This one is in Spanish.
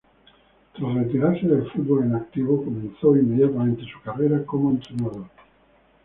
Tras retirarse del fútbol en activo comenzó inmediatamente su carrera como entrenador.